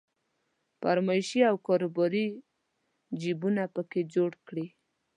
فرمایشي او کاروباري جيبونه په کې جوړ کړي.